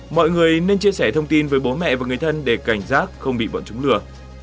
mọi người nên chia sẻ thông tin với bố mẹ và người thân để cảnh giác không bị bọn chúng lừa